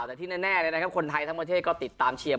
แต่ที่แน่เลยนะครับคนไทยทั้งประเทศก็ติดตามเชียร์